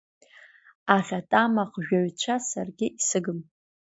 Аӷьатамахжәаҩцәа саргьы исыгым.